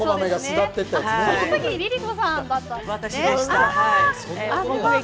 あの時ＬｉＬｉＣｏさんだったんですね。